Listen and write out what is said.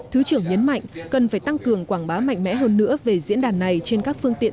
thứ trưởng nhấn mạnh cần phải tăng cường quảng bá mạnh mẽ hơn nữa về diễn đàn này trên các phương tiện